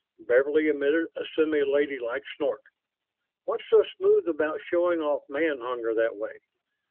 Beverly emitted a semi ladylike snort. "What's so smooth about showing off man hunger that way?